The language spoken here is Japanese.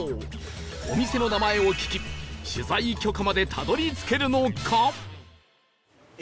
お店の名前を聞き取材許可までたどり着けるのか？